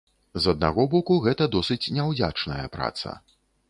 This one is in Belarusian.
З аднаго боку, гэта досыць няўдзячная праца.